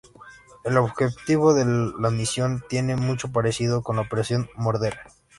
El objetivo de la misión tiene mucho parecido con la Operación Morder.